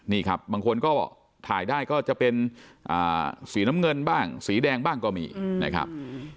นี่ครับบางคนก็ถ่ายได้ก็จะเป็นสีน้ำเงินบ้างสีแดงบ้างก็มีนะครับ